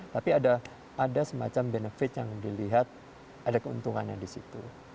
tapi ada semacam benefit yang dilihat ada keuntungannya di situ